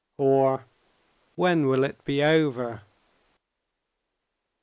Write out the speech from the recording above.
or: "When will it be over?"